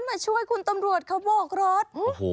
มาช่วยคุณตำรวจเขาโบกรถ